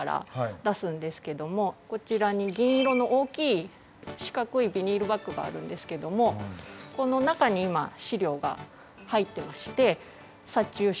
こちらに銀色の大きい四角いビニールバッグがあるんですけどもこの中に今資料が入ってまして殺虫処理中です。